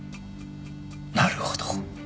なるほど。